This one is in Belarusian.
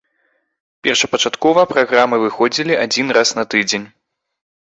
Першапачаткова праграмы выходзілі адзін раз на тыдзень.